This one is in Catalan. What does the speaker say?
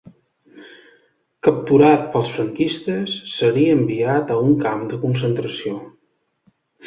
Capturat pels franquistes, seria enviat a un camp de concentració.